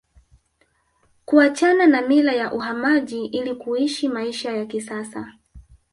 Kuachana na mila ya uhamaji ili kuishi maisha ya kisasa